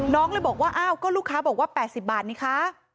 เลยบอกว่าอ้าวก็ลูกค้าบอกว่า๘๐บาทนี่คะ